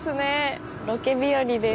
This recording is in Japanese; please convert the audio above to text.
ロケ日和です。